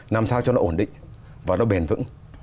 làm sao cho nó ổn định và nó bền vững